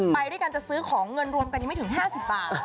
ไปด้วยกันจะซื้อของเงินรวมกันยังไม่ถึง๕๐บาท